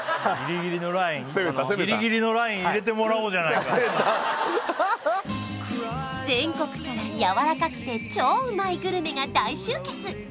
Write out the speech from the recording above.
ギリギリのライン攻めた攻めた攻めた全国からやわらかくて超うまいグルメが大集結